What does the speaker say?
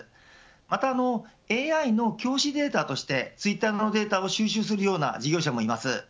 またＡＩの教師データとしてツイッターのデータを収集するような事業者もいます。